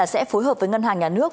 sẽ phối hợp với ngân hàng nhà nước